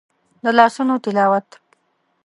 د لاسونو تلاوت